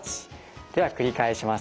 では繰り返します。